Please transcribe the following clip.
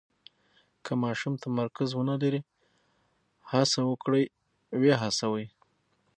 که ماشوم تمرکز ونلري، هڅه وکړئ یې هڅوئ.